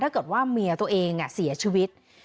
ถ้าเกิดว่าเมียตัวเองเสียชีวิต